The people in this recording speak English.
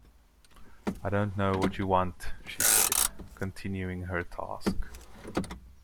“I don’t know what you want,” she said, continuing her task.